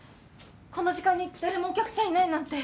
この時間に誰もお客さんいないなんて。